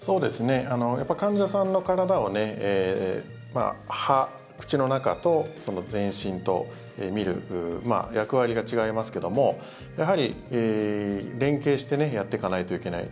患者さんの体を歯、口の中と全身と診る役割が違いますけどもやはり連携してやっていかないといけない。